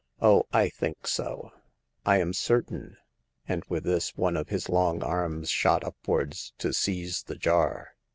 " Oh, I think so ; I am certain," and with this one of his long arms shot upwards to seize the jar.